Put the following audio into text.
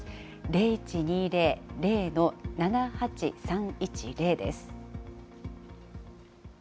０１２０ー０ー７８３１０です。